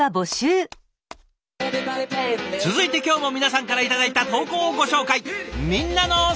続いて今日も皆さんから頂いた投稿をご紹介。